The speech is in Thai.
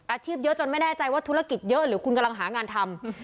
เยอะจนไม่แน่ใจว่าธุรกิจเยอะหรือคุณกำลังหางานทำ